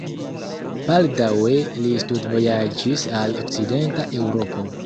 Baldaŭe li studvojaĝis al okcidenta Eŭropo.